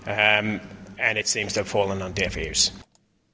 dan sepertinya mereka telah menjatuhkan